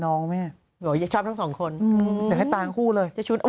น้องไหมอ๋อชอบทั้งสองคนอืมเดี๋ยวให้ตามคู่เลยจะชุดเอา